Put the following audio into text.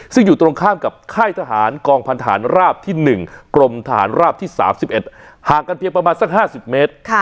ซึ่งอยู่ตรงข้ามกับค่ายทหารกองพันธานราบที่๑กรมทหารราบที่๓๑ห่างกันเพียงประมาณสัก๕๐เมตร